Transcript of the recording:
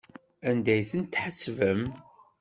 Anda ay tent-tḥebsem?